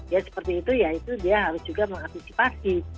ya seperti itu ya itu dia harus juga mengantisipasi